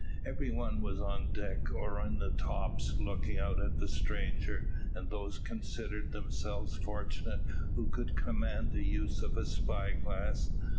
Every one was on deck or in the tops, looking out at the stranger, and those considered themselves fortunate who could command the use of a spyglass.